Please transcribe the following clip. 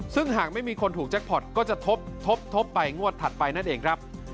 ซึ่งหากไม่มีคนถูกแจ็คพอร์ตก็จะทบทบไปงวดถัดไปนั่นเองครับ